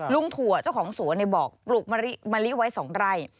ถั่วเจ้าของสวนบอกปลูกมะลิไว้๒ไร่